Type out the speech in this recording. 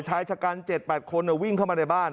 ชายชะกัน๗๘คนวิ่งเข้ามาในบ้าน